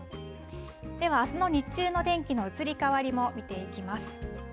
では、あすの日中の天気の移り変わりも見ていきます。